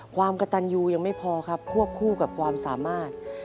ความกระตันยูยังไม่พอครับควบคู่กับความสามารถ